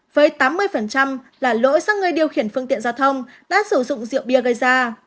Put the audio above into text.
với tám mươi là lỗi do người điều khiển phương tiện giao thông đã sử dụng rượu bia gây ra